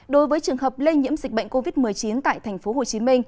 đối với trường hợp lây nhiễm dịch bệnh covid một mươi chín tại tp hcm